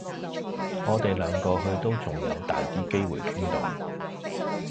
我哋兩個去都仲有大啲機會傾到